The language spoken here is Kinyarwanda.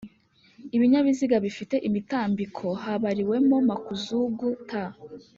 ibinyabiziga bifite imitambiko habariwemo makuzugu T